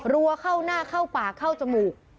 รัวเข้าหน้าเข้าปากเข้าจมูก